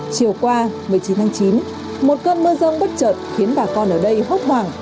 chiều qua một mươi chín tháng chín một cơn mưa rông bất chợt khiến bà con ở đây hốc hoảng